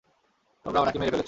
তোমরা উনাকে মেরে ফেলেছ!